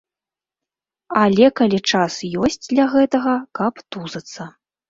Але калі час ёсць для гэтага, каб тузацца.